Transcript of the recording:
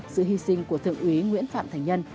sự hy sinh của thượng úy nguyễn phạm thành nhân